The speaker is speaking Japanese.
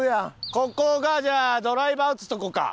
ここがじゃあドライバー打つとこか。